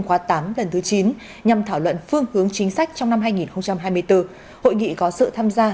khóa tám lần thứ chín nhằm thảo luận phương hướng chính sách trong năm hai nghìn hai mươi bốn hội nghị có sự tham gia